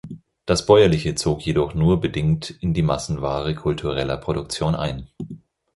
Das Bäuerliche zog jedoch nur bedingt in die Massenware kultureller Produktion ein.